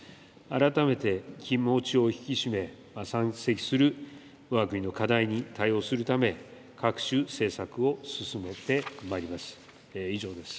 改めて気持ちを引き締め、山積するわが国の課題に対応するため、各種、政策を進めてまいります。